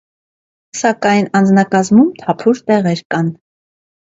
Սակայն անձնակազմում թափուր տեղեր կան։